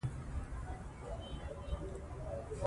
تازه ګشنیز ډوډۍ خوشبويه کوي.